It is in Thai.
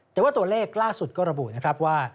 แต่ว่าตัวเลขล่าสุดก็ระบุนะครับว่า